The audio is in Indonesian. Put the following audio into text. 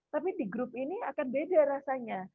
tapi di grup ini akan beda rasanya